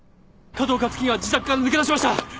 加藤香月が自宅から抜け出しました！